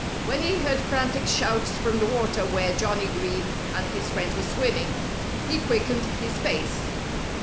When he heard frantic shouts from the water, where Johnnie Green and his friends were swimming, he quickened his pace.